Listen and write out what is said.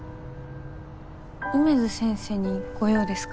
梅津先生にご用ですか？